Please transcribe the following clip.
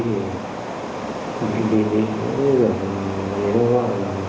cái kiểu là